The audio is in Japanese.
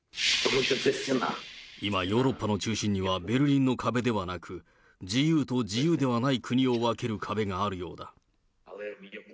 今、ヨーロッパの中心にはベルリンの壁ではなく、自由と自由ではない国を分ける壁があるようだ。